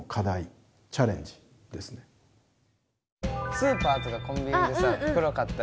スーパーとかコンビニでさ袋買ったらさ